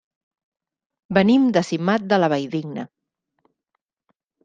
Venim de Simat de la Valldigna.